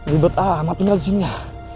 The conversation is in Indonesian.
ribet amat tinggal di sini ina